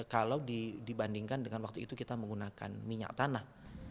kalau dibandingkan dengan waktu itu kita menggunakan minyak tanah